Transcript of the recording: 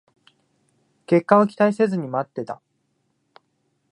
結果を期待せずに待ってた